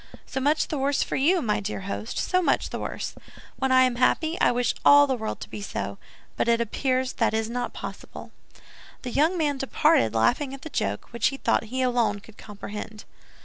"So much the worse for you, my dear host, so much the worse! When I am happy, I wish all the world to be so; but it appears that is not possible." The young man departed, laughing at the joke, which he thought he alone could comprehend.